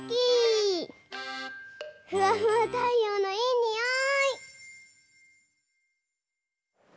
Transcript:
ふわふわたいようのいいにおい！